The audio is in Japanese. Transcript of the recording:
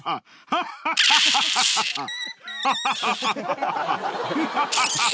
ヒハハハハハハ！